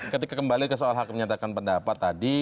ketika kembali ke soal hak menyatakan pendapat tadi